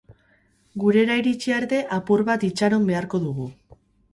Gurera iritsi arte apur bat itxaro beharko dugu.